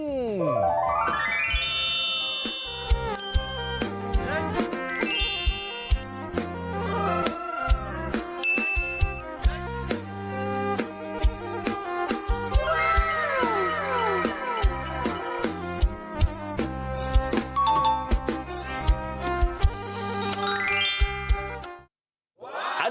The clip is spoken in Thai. อุปสรมบทแบบโบราณของชาวบ้านที่จังหวัดสุรินทร์